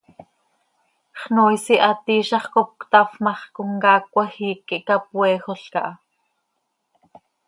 Xnoois ihaat iizax cop cötafp ma x, comcaac cmajiic quih capoeejolca ha.